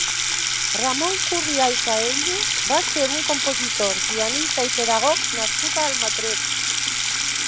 Ramon Currià i Caelles va ser un compositor, pianista i pedagog nascut a Almatret.